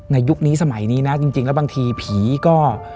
ยุคนี้สมัยนี้นะจริงแล้วบางทีผีก็